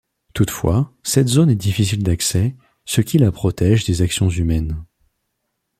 Toutefois, cette zone est difficile d'accès, ce qui la protège des actions humaines.